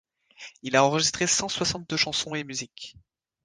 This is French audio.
Il a enregistré cent soixante deux chansons et musiques.